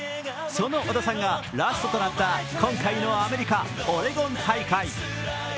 その織田さんがラストとなった今回のアメリカ・オレゴン大会。